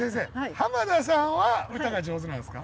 濱田さんは歌が上手なんですか？